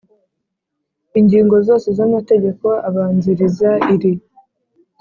Ingingo zose z amategeko abanziriza iri